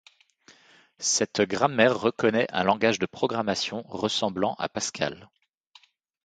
Cette grammaire reconnaît un langage de programmation ressemblant à Pascal.